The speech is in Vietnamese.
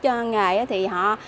cho nghề thì họ